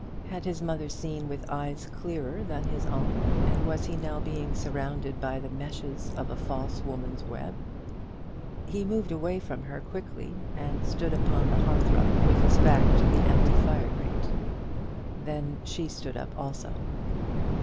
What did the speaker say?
Had his mother seen with eyes clearer than his own, and was he now being surrounded by the meshes of a false woman's web? He moved away from her quickly, and stood upon the hearth rug with his back to the empty fire grate. Then she stood up also.